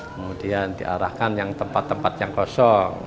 kemudian diarahkan yang tempat tempat yang kosong